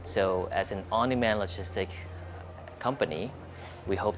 jadi sebagai perusahaan logistik yang diperoleh